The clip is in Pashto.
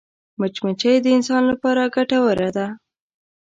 مچمچۍ د انسان لپاره ګټوره ده